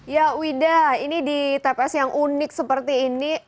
ya wida ini di tps yang unik seperti ini